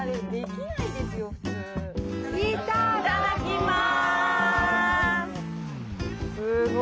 いただきます！